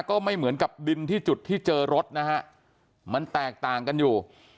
ก็ไม่เหมือนกับดินที่จุดที่เจอรถนะฮะมันแตกต่างกันอยู่